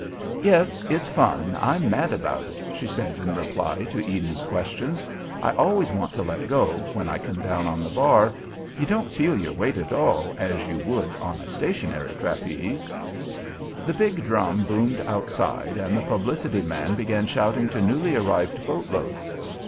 "Yes, it's fun. I'm mad about it," she said in reply to Eden's questions. "I always want to let go, when I come down on the bar. You don't feel your weight at all, as you would on a stationary trapeze." The big drum boomed outside, and the publicity man began shouting to newly arrived boatloads.